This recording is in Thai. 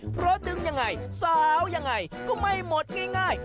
เพราะดึงยังไงสาวยังไงก็ไม่หมดง่าย